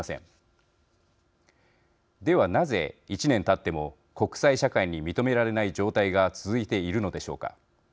ではなぜ１年たっても国際社会に認められない状態が続いているのでしょうか。